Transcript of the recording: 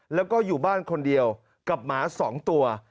แล้วก็อยู่บ้านคนเดียวกับหมา๒ตัว